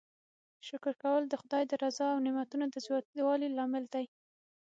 شکر کول د خدای د رضا او نعمتونو د زیاتوالي لامل دی.